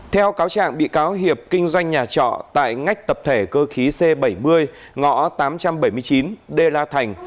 theo cáo trạng bị cáo hiệp kinh doanh nhà trọ tại ngách tập thể cơ khí c bảy mươi ngõ tám trăm bảy mươi chín đê la thành